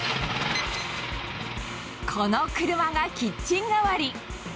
この車がキッチン代わり。